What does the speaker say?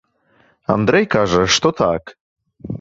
Андрэй кажа, што так.